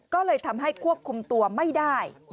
ก็เลยทำให้ควบคุมตัวไม่ได้